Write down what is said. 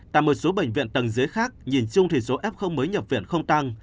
tại một số bệnh viện tầng dưới khác nhìn chung thì số f mới nhập viện không tăng